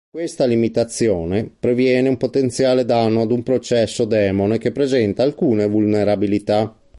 Questa limitazione, previene un potenziale danno ad un processo demone che presenta alcune vulnerabilità.